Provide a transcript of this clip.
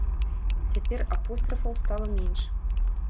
Цяпер апострафаў стала менш.